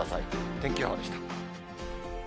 天気予報でした。